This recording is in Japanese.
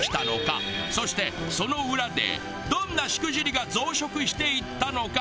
そしてその裏でどんなしくじりが増殖していったのか？